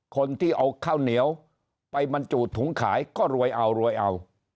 คนที่เอาข้าวเหนียวไปบรรจุถุงขายก็รวยเอารวยเอา